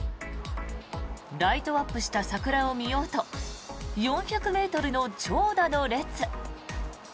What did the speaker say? ライトアップした桜を見ようと４００ｍの長蛇の列。